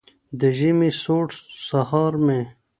د ژمي سوړ سهار مي